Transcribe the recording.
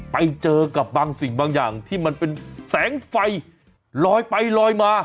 ไปเจอกับบางสิ่งบางอย่างที่มันเป็นแสงไฟลอยไปลอยมา